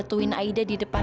saya starters kan